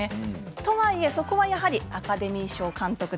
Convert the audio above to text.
とはいえ、そこはやはりアカデミー賞監督